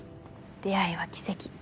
出会いは奇跡。